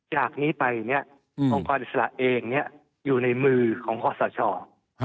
จากนี้ไปเนี่ยองค์การอิสระเองเนี่ยอยู่ในมือของข้อสะชอบ